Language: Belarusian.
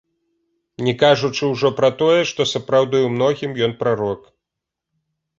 Не кажучы ўжо пра тое, што сапраўды ў многім ён прарок.